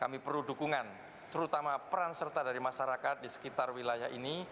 kami perlu dukungan terutama peran serta dari masyarakat di sekitar wilayah ini